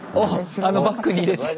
あのバッグに入れて。